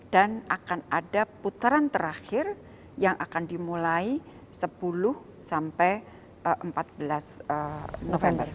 dan akan ada putaran terakhir yang akan dimulai sepuluh sampai empat belas november